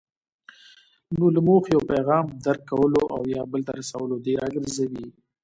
نو له موخې او پیغام درک کولو او یا بل ته رسولو دې راګرځوي.